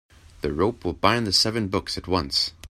The rope will bind the seven books at once.